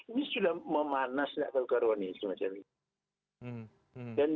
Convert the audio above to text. ini sudah memanasnya kalau kearuan ini semacam ini